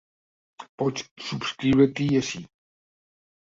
Pots subscriure-t’hi ací.